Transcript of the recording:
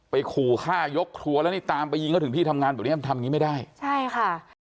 ขู่ฆ่ายกครัวแล้วนี่ตามไปยิงเขาถึงที่ทำงานแบบเนี้ยมันทำอย่างงี้ไม่ได้ใช่ค่ะ